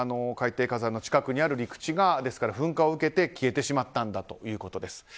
海底火山の近くにある陸地が噴火を受けて消えてしまったんだということです。